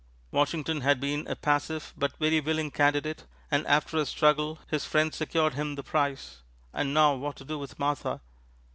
Washington had been a passive but very willing candidate, and after a struggle his friends secured him the prize and now what to do with Martha!